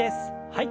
はい。